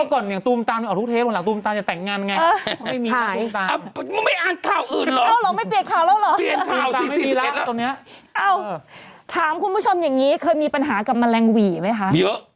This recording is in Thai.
ก็ก่อนตูมตาใบเหล้าทุกเทปบรรถตูมตามนะ